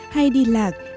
hay đi lấy thân xác